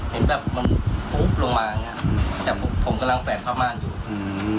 เห็นแบบมันฟุ๊บลงมาอย่างเงี้ยแต่ผมกำลังแฝกผ้าม่านอยู่อืม